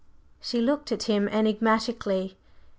She looked at him enigmatically.